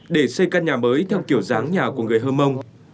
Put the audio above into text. để xây căn nhà mới theo kiểu dáng nhà của người hơ mông